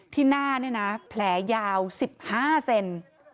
ที่หน้านี่นะแผลยาว๑๕เซน